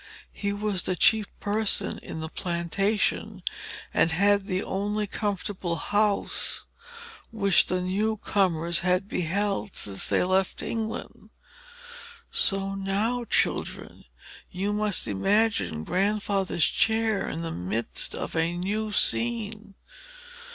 He was the chief person in the plantation, and had the only comfortable house which the new comers had beheld since they left England. So now, children, you must imagine Grandfather's chair in the midst of a new scene.